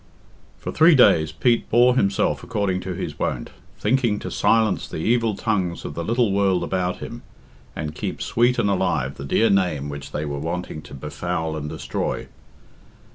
For three days Pete bore himself according to his wont, thinking to silence the evil tongues of the little world about him, and keep sweet and alive the dear name which they were waiting to befoul and destroy.